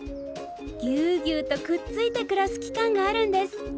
ぎゅうぎゅうとくっついて暮らす期間があるんです。